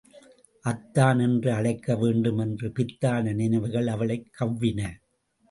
அத்தான் என்று அழைக்க வேண்டும் என்று பித்தான நினைவுகள் அவளைக் கவ்வின.